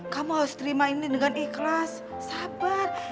kamu harus terima ini dengan ikhlas sabar